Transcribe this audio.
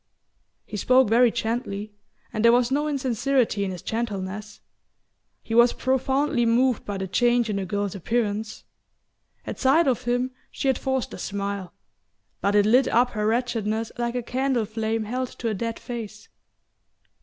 He spoke very gently, and there was no insincerity in his gentleness. He was profoundly moved by the change in the girl's appearance. At sight of him she had forced a smile; but it lit up her wretchedness like a candle flame held to a dead face.